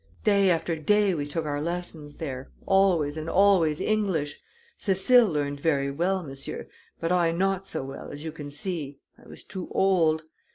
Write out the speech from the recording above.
Day after day we took our lessons there always and always English. Cécile learned ver' well, monsieur; but I not so well, as you can see I was too old.